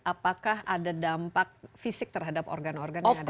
apakah ada dampak fisik terhadap organ organ yang ada di